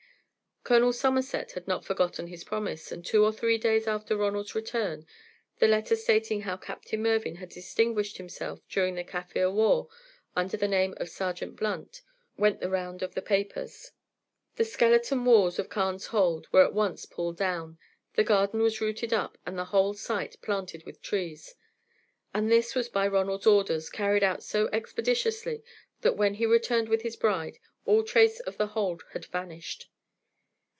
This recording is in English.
Colonel Somerset had not forgotten his promise, and two or three days after Ronald's return, the letter stating how Captain Mervyn had distinguished himself during the Kaffir War under the name of Sergeant Blunt went the round of the papers. The skeleton walls of Carne's Hold were at once pulled down, the garden was rooted up, and the whole site planted with trees, and this was by Ronald's orders carried out so expeditiously that when he returned with his bride all trace of The Hold had vanished.